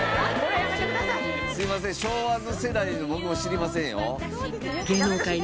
すいません昭和の世代の僕も知りませんよ。